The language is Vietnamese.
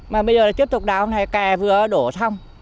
mà bây giờ tiếp tục đào này kè vừa đổ xong